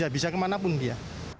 bisa kemanapun dia